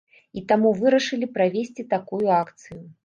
І таму вырашылі правесці такую акцыю.